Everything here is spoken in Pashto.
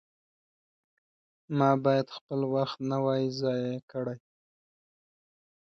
ما باید خپل وخت نه وای ضایع کړی.